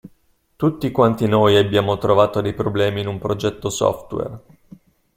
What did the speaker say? Tutti quanti noi abbiamo trovato dei problemi in un progetto software.